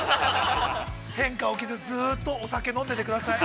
◆変化起きず、ずっとお酒飲んでてください。